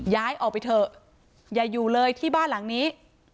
ย้ายออกไปเถอะอย่าอยู่เลยที่บ้านหลังนี้